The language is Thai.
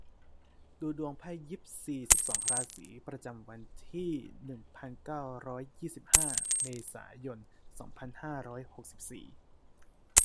ดูดวงไพ่ยิปซี สิบสอง ราศี ประจำวันที่ หนึ่งพันเก้าร้อยยี่สิบห้า เมษายน สองพันห้าร้อยหกสิบสี่